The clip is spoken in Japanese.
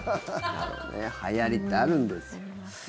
はやりってあるんですよ。